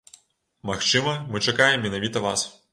Магчыма, мы чакаем менавіта вас.